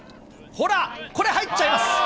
ほら、これ、入っちゃいます。